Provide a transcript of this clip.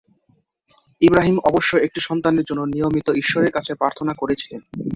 ইব্রাহিম অবশ্য একটি সন্তানের জন্য নিয়মিত ঈশ্বরের কাছে প্রার্থনা করেছিলেন।